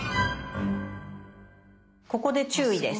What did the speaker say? ここで注意です。